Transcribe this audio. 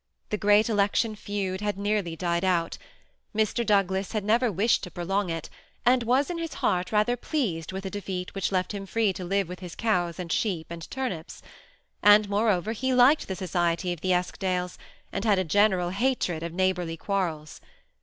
The great election feud had nearly died out. Mr. Douglas had never wished to prolong it, and was in his heart rather pleased with a defeat, which left him free to live with his cows and sheep and turnips; and, more over, he liked the society of the Eskdales, and had a general hatred of neighborly quarrels.